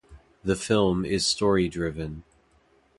The film is story driven.